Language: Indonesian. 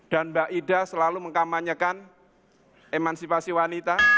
dan mbak ida selalu mengkamanyakan emansipasi wanita